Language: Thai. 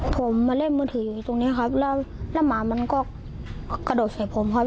ผมมาเล่นมือถืออยู่ตรงนี้ครับแล้วแล้วหมามันก็กระโดดใส่ผมครับ